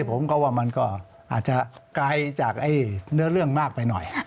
ผมก็ว่ามันก็อาจจะไกลจากเนื้อเรื่องมากไปหน่อย